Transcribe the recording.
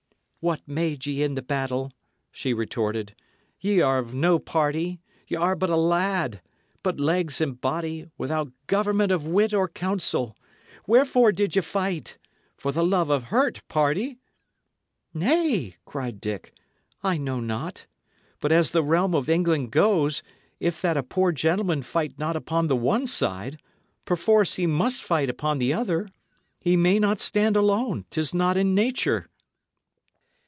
"What made ye in the battle?" she retorted. "Y' are of no party; y' are but a lad but legs and body, without government of wit or counsel! Wherefore did ye fight? For the love of hurt, pardy!" "Nay," cried Dick, "I know not. But as the realm of England goes, if that a poor gentleman fight not upon the one side, perforce he must fight upon the other. He may not stand alone; 'tis not in nature."